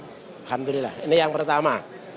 alhamdulillah ini yang pertama